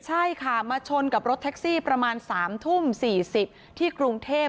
ใช่ค่ะมาชนกับรถแท็กซี่ประมาณ๓ทุ่ม๔๐ที่กรุงเทพ